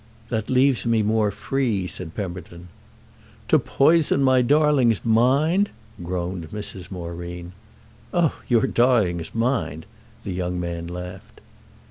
"That leaves me more free," said Pemberton. "To poison my darling's mind?" groaned Mrs. Moreen. "Oh your darling's mind—!" the young man laughed.